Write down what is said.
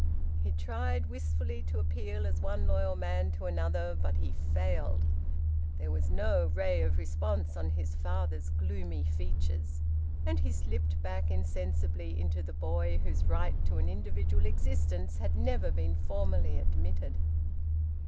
He tried wistfully to appeal as one loyal man to another. But he failed. There was no ray of response on his father's gloomy features, and he slipped back insensibly into the boy whose right to an individual existence had never been formally admitted.